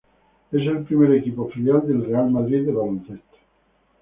Es el primer equipo filial del Real Madrid de Baloncesto.